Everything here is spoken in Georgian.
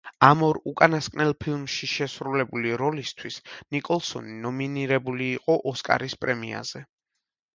ამ ორ უკანასკნელ ფილმში შესრულებული როლისთვის ნიკოლსონი ნომინირებული იყო ოსკარის პრემიაზე.